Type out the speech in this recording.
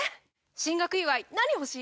進学祝い何欲しい？